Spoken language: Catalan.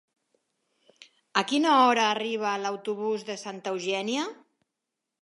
A quina hora arriba l'autobús de Santa Eugènia?